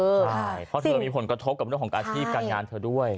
ใช่เพราะเธอมีผลกระทบกับเรื่องของอาชีพการงานเธอด้วย